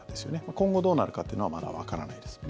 今後どうなるかというのはまだわからないです。